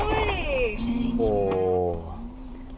เลย